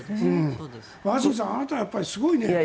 若新さんあなたはやっぱりすごいね。